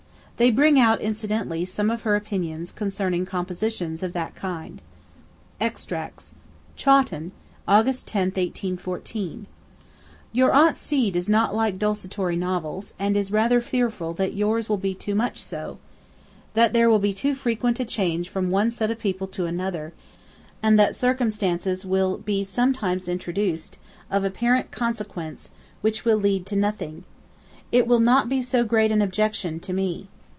They bring out incidentally some of her opinions concerning compositions of that kind: Extracts. 'Chawton, Aug. 10, 1814. 'Your aunt C. does not like desultory novels, and is rather fearful that yours will be too much so; that there will be too frequent a change from one set of people to another, and that circumstances will be sometimes introduced, of apparent consequence, which will lead to nothing. It will not be so great an objection to me.